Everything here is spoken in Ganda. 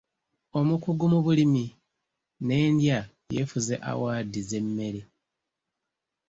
Omukugu mu bulimi n'endya yeefuze awaadi z'emmere.